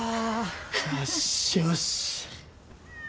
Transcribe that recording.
よしよし。